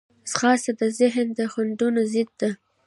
ځغاسته د ذهن د خنډونو ضد ده